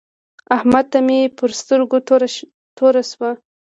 احمد ته مې پر سترګو توره شوه.